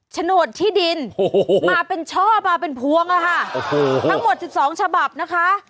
โฉนดที่ดินมาเป็นช่อมาเป็นพวงอะค่ะโอ้โหทั้งหมด๑๒ฉบับนะคะ